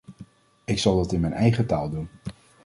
Ik zal dat in mijn eigen taal doen.